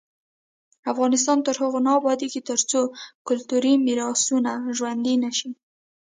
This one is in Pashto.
افغانستان تر هغو نه ابادیږي، ترڅو کلتوري میراثونه ژوندي نشي.